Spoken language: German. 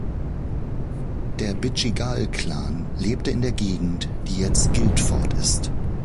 Der Bidjigal-Clan lebte in der Gegend, die jetzt Guildford ist.